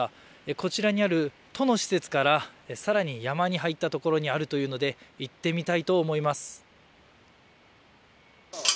こちらにある都の施設からさらに山に入ったところにあるというので行ってみたいと思います。